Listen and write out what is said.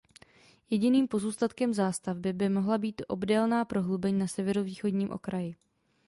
Jediným pozůstatkem zástavby by mohla být obdélná prohlubeň na severovýchodním okraji.